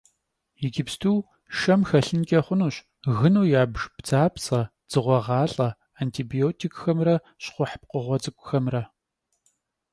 Иджыпсту шэм хэлъынкӀэ хъунущ гыну ябж бдзапцӀэ, дзыгъуэгъалӀэ, антибиотикхэмрэ щхъухь пкъыгъуэ цӀыкӀухэмрэ.